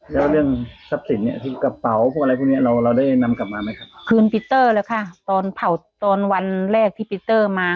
นำกลับมาไหมครับคืนปีเตอร์แล้วค่ะตอนเผ่าตอนวันแรกที่ปีเตอร์มา